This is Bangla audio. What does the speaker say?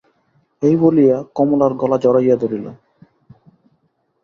এই বলিয়া কমলার গলা জড়াইয়া ধরিল।